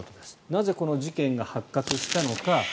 なぜ、この事件が発覚したのか。